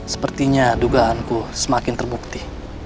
sepertinya dugaanku semakin terbukti